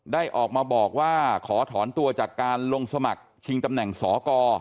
ได้ออกมาบอกว่าขอถอนตัวจากการลงสมัครชิงตำแหน่งสก